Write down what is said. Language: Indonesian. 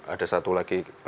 ada satu lagi